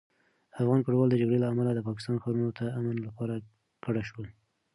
افغان کډوال د جګړې له امله د پاکستان ښارونو ته امن لپاره کډه شول.